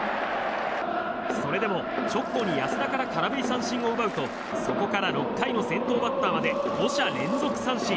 それでも直後に安田から空振り三振を奪うとそこから６回の先頭バッターまで５者連続三振。